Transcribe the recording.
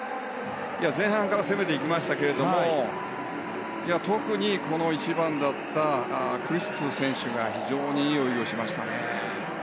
前半から攻めていきましたけど特に１番だったクリストゥ選手が非常にいい泳ぎをしましたね。